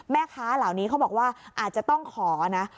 แม่ค้าเหล่านี้เขาบอกว่าอาจจะต้องขอนะ